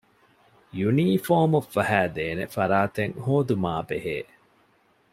ޔުނީފޯމު ފަހައިދޭނެ ފަރާތެއް ހޯދުމާ ބެހޭ